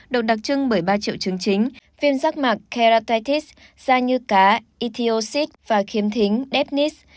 động đặc trưng bởi ba triệu chứng chính viêm rác mạc keratitis da như cá etiocit và khiếm thính deafness